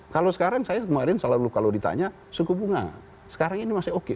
kalau sekarang saya kemarin selalu kalau ditanya suku bunga sekarang ini masih oke